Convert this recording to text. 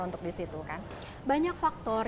untuk di situ kan banyak faktor